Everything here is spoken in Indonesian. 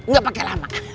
enggak pake lama